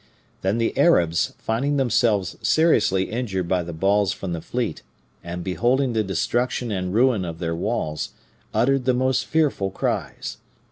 Then the Arabs, finding themselves seriously injured by the balls from the fleet, and beholding the destruction and the ruin of their walls, uttered the most fearful cries.